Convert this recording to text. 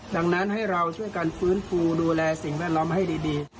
ดังนั้นให้เราช่วยกันฟื้นฟูดูแลสิ่งแวดล้อมให้ดี